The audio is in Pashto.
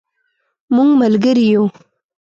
مونږ ملګری یو